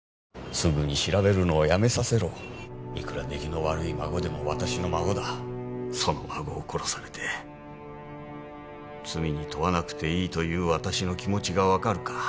・すぐに調べるのをやめさせろいくら出来の悪い孫でも私の孫だその孫を殺されて罪に問わなくていいと言う私の気持ちが分かるか？